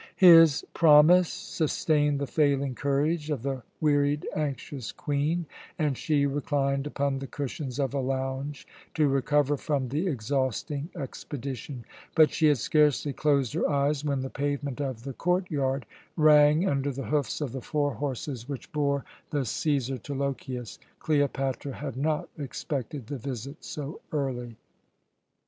His promise sustained the failing courage of the wearied, anxious Queen, and she reclined upon the cushions of a lounge to recover from the exhausting expedition; but she had scarcely closed her eyes when the pavement of the court yard rang under the hoofs of the four horses which bore the Cæsar to Lochias. Cleopatra had not expected the visit so early.